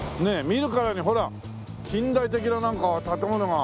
見るからにほら近代的ななんか建物が。